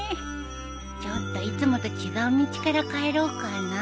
ちょっといつもと違う道から帰ろうかな。